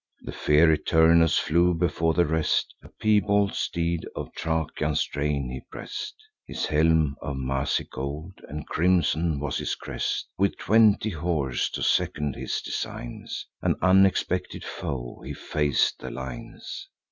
The fiery Turnus flew before the rest: A piebald steed of Thracian strain he press'd; His helm of massy gold, and crimson was his crest. With twenty horse to second his designs, An unexpected foe, he fac'd the lines.